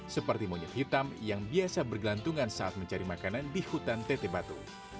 seperti monyet hitam yang biasa bergelantungan saat mencari makanan di hutan teteh batu